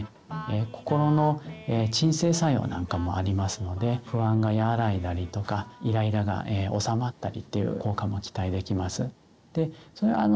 心の鎮静作用なんかもありますので不安が和らいだりとかイライラがおさまったりっていう効果も期待できます。